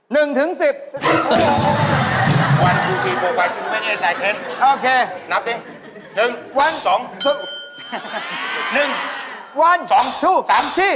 นี่จะมาต้องหัวไหมไงดอก